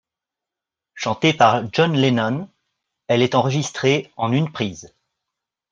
Chantée par John Lennon, elle est enregistrée en une prise.